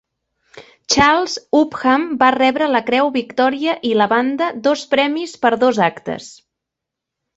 Charles Upham va rebre la Creu Victòria i la banda; dos premis per dos actes.